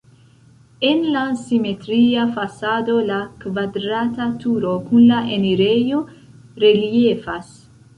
En la simetria fasado la kvadrata turo kun la enirejo reliefas.